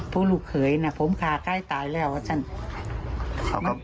ผู้ลูกเขยนะผมข่าใกล้ตายแล้วอาจารย์